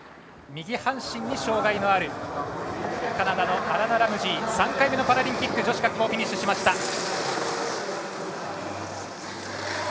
右半身に障がいのあるカナダのアラナ・ラムジー３回目のパラリンピック女子滑降フィニッシュしました。